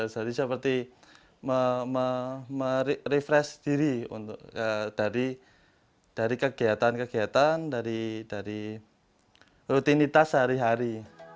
jadi seperti merefresh diri dari kegiatan kegiatan dari rutinitas sehari hari